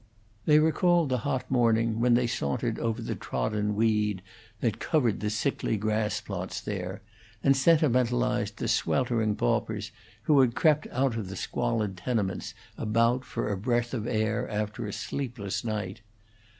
They recalled the hot morning, when they sauntered over the trodden weed that covered the sickly grass plots there, and sentimentalized the sweltering paupers who had crept out of the squalid tenements about for a breath of air after a sleepless night.